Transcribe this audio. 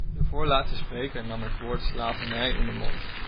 De voorlaatste spreker nam het woord slavernij in de mond.